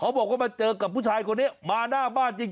เขาบอกมาเจอกับผู้ชายนี้มาหน้าบ้านจริง